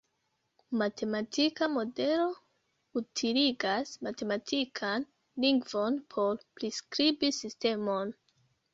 Matematika modelo utiligas matematikan lingvon por priskribi sistemon.